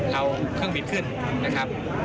เอาเครื่องบินขึ้นนะครับ